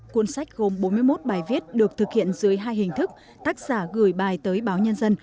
cuốn sách gồm bốn mươi một bài viết được thực hiện dưới hai hình thức tác giả gửi bài tới báo nhân dân